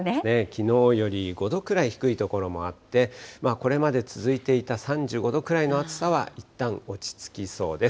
きのうより５度くらい低い所もあって、これまで続いていた３５度くらいの暑さはいったん落ち着きそうです。